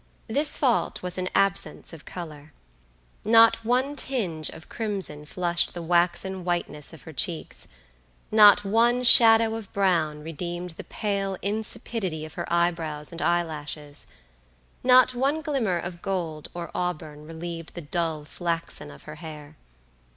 This fault was an absence of color. Not one tinge of crimson flushed the waxen whiteness of her cheeks; not one shadow of brown redeemed the pale insipidity of her eyebrows and eyelashes; not one glimmer of gold or auburn relieved the dull flaxen of her hair.